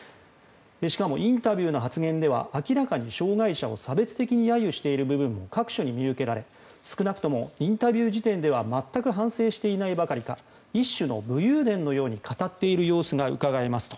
しかも、インタビューの発言では明らかに障害者を差別的に揶揄している部分も各所に見受けられ少なくともインタビュー時点では全く反省していないばかりか一種の武勇伝のように語っている様子がうかがえますと。